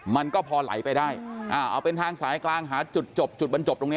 มันก็พอไหลไปได้เอาเป็นทางสายกลางหาจุดจบจุดบรรจบตรงนี้